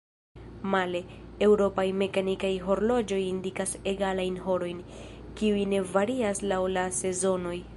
Male, eŭropaj mekanikaj horloĝoj indikas egalajn horojn, kiuj ne varias laŭ la sezonoj.